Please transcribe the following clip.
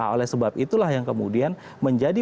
oleh sebab itulah yang kemudian menjadi